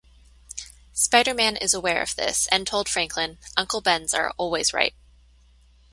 Spider-Man is aware of this, and told Franklin, Uncle Bens are always right.